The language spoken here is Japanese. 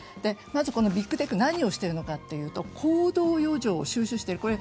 まず、ビッグテックは何をしているのかというと、行動余剰を収集している。